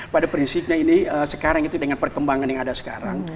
pada prinsipnya ini sekarang itu dengan perkembangan yang ada sekarang